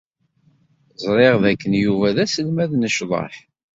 Ẓriɣ dakken Yuba d aselmad n ccḍeḥ.